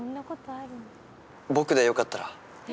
僕でよかったら。